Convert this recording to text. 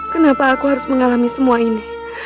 kenapa aku harus mengalami semua ini